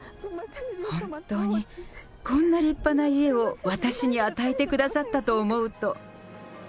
本当にこんな立派な家を私に与えてくださったと思うと。